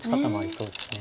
そうですね。